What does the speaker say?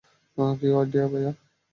কী idea, ভাইয়া!